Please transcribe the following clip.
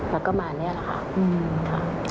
แล้วก็มานี่แหละค่ะ